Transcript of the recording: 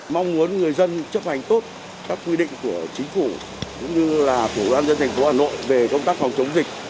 mong muốn người dân chấp hành tốt các quy định của chính phủ cũng như là của ban dân thành phố hà nội về công tác phòng chống dịch